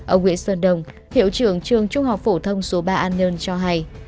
ở nguyễn sơn đông hiệu trường trường trung học phổ thông số ba an nhơn cho hay